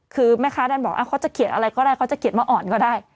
คือแม่ค้าท่านบอกเขาจะเขียนอะไรก็ได้เขาจะเขียนมาอ่อนก็ได้